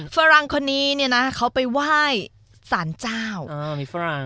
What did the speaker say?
ฝรั่งคนนี้เขาไปว่ายสารเจ้า